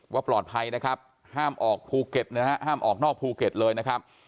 ปลอดภัยนะครับห้ามออกภูเก็ตนะฮะห้ามออกนอกภูเก็ตเลยนะครับ